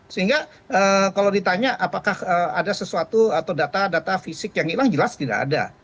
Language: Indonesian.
sehingga kalau ditanya apakah ada sesuatu atau data data fisik yang hilang jelas tidak ada